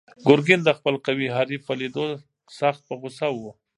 ګرګین د خپل قوي حریف په لیدو سخت په غوسه و.